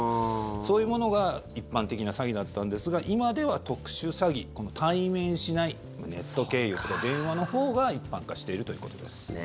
そういうものが一般的な詐欺だったんですが今では特殊詐欺この対面しないネット経由、電話のほうが一般化しているということです。